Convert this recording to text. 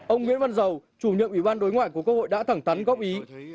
ông nguyễn văn dầu chủ nhiệm ủy ban đối ngoại của quốc hội đã thẳng tắn góp ý